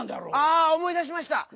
あおもい出しました！